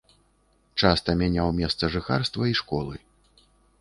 Часта мяняў месца жыхарства і школы.